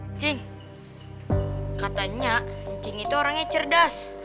ncing katanya ncing itu orangnya cerdas